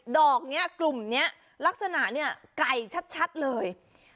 ดอกกลุ่มนี้ลักษณะไก่ชัดเลย